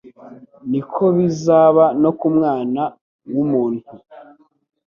niko bizaba no kuza k'Umwana w'umuntu;